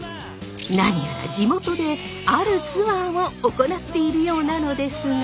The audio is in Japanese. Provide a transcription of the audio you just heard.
何やら地元であるツアーを行っているようなのですが。